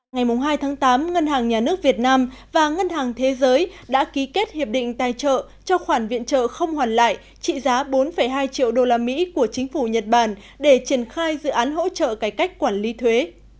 ngày hai tháng tám ngân hàng nhà nước việt nam và ngân hàng thế giới đã ký kết hiệp định tài trợ cho khoản viện trợ không hoàn lại trị giá bốn hai triệu usd của chính phủ nhật bản để triển khai dự án hỗ trợ cải cách quản lý thuế